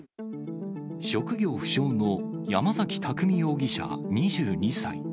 職業不詳の山崎拓海容疑者２２歳。